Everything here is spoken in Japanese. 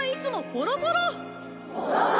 ボロボロ。